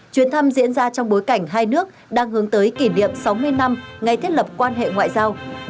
chuyến thăm diễn ra trong bối cảnh hai nước đang hướng tới kỷ niệm sáu mươi năm ngày thiết lập quan hệ ngoại giao